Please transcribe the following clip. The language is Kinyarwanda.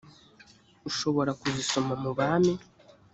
ushobora kuzisoma mu abami